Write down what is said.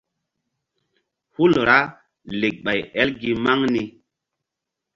Hul ra lek ɓay el gi maŋ ni.